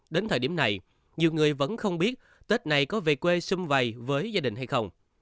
đến thời điểm này nhiều người vẫn không biết tết này có về quê xung vầy với gia đình hay không